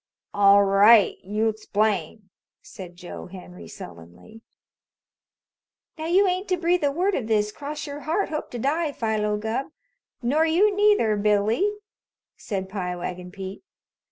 "All right, you explain," said Joe Henry sullenly. "Now you ain't to breathe a word of this, cross your heart, hope to die, Philo Gubb. Nor you neither, Billy," said Pie Wagon Pete.